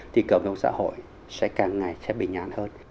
thì cộng đồng xã hội sẽ càng ngày sẽ bình an hơn